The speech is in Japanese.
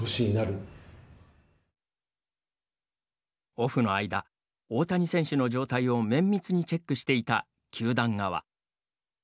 オフの間大谷選手の状態を綿密にチェックしていた球団側。